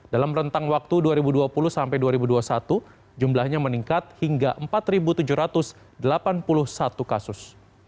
dalam rentang waktu dua ribu dua puluh sampai dua ribu dua puluh satu jumlahnya meningkat hingga empat tujuh ratus delapan puluh satu kasus